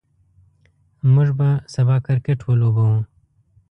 موږ به سبا کرکټ ولوبو.